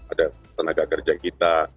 ada tenaga kerja kita